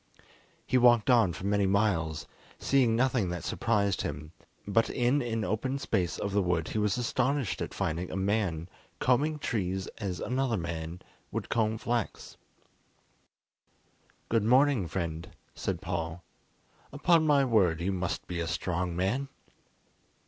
He walked on for many miles, seeing nothing that surprised him, but in an open space of the wood he was astonished at finding a man combing trees as another man would comb flax. "Good morning, friend," said Paul; "upon my word, you must be a strong man!"